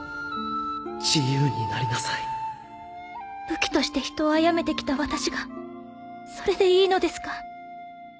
自由になりなさい武器として人を殺めて来た私がそれでいいのですか？